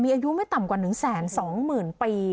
มีอายุไม่ต่ำกว่าหนึ่งแสนสองหมื่นปี